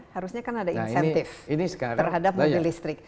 harusnya kan ada insentif terhadap mobil listrik